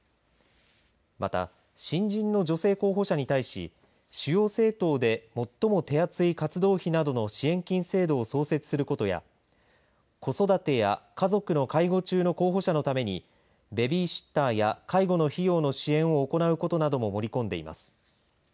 また、新人の女性候補者に対し主要政党で最も手厚い活動費などの支援金制度を創設することや子育てや家族の介護中の候補者のためにベビーシッターや介護の費用の支援を行うことなども盛り込んでいます。